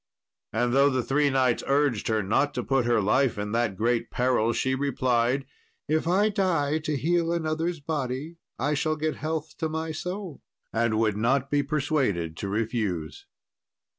And though the three knights urged her not to put her life in that great peril, she replied, "If I die to heal another's body, I shall get health to my soul," and would not be persuaded to refuse.